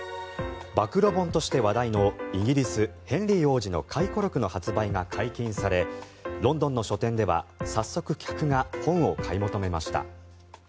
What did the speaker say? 暴露本として話題のイギリス、ヘンリー王子の回顧録の発売が解禁されロンドンの書店では早速、客が本を買い求めました。